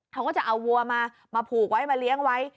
เขาก็จะเอาวัวมามาผูกไว้มาเลี้ยงไว้